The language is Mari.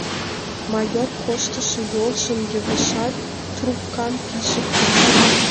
Майор корштышо йолжым йыгашат, трубкам пижыктыш.